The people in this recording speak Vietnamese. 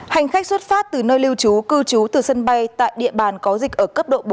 hành khách xuất phát từ nơi lưu trú cư trú từ sân bay tại địa bàn có dịch ở cấp độ bốn